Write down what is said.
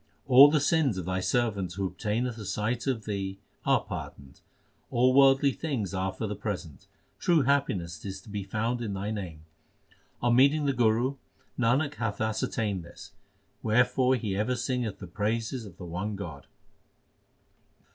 All the sins of Thy servant who obtaineth a sight of Thee, are pardoned. All worldly things are for the present ; true happiness is to be found in Thy name. On meeting the Guru, Nanak hath ascertained this ; wherefore he ever singeth the praises of the one God.